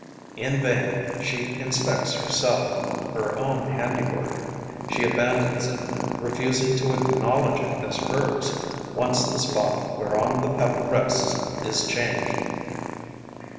In vain she inspects her cell, her own handiwork; she abandons it, refusing to acknowledge it as hers, once the spot whereon the pebble rests is changed.